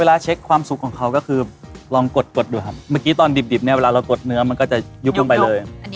เวลาเช็คความสุขของเขาก็คือลองกดกดดูครับเมื่อกี้ตอนดิบเนี่ยเวลาเรากดเนื้อมันก็จะยุบลงไปเลย